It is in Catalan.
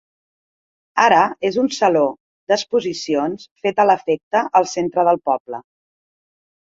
Ara és a un saló d'exposicions fet a l'efecte al centre del poble.